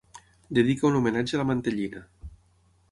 Dedica un homenatge a la mantellina.